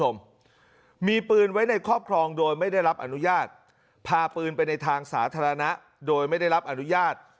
มีปืนไว้ในครอบครองโดยไม่ได้รับอนุญาตพาปืนไปในทางสาธารณะโดยไม่ได้รับอนุญาต